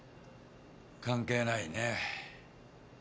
関係ないね。